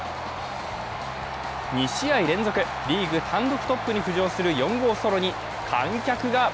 ２試合連続、リーグ単独トップに浮上する４号ソロに観客が！